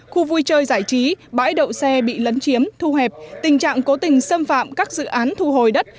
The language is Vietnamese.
khu vui chơi giải trí bãi đậu xe bị lấn chiếm thu hẹp tình trạng cố tình xâm phạm các dự án thu hồi đất